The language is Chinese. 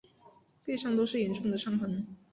背上都是严重的伤痕